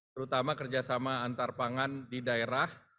terutama kerjasama antar pangan di daerah